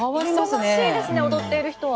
忙しいですね踊っている人は。